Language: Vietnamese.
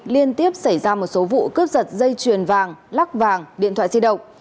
liên tiếp xảy ra một số vụ cướp giật dây chuyền vàng lắc vàng điện thoại di động